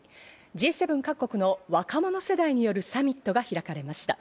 Ｇ７各国の若者世代によるサミットが開かれました。